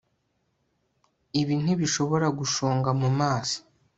Ibi ntibishobora gushonga mumazi